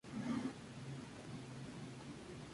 Miembro de una familia numerosa y empobrecida, pasó hambre.